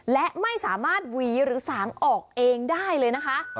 และไม่สามารถหวีหรือสางออกเองได้เลยนะคะ